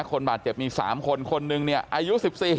คนบาดเจ็บมี๓คนคนหนึ่งเนี่ยอายุ๑๔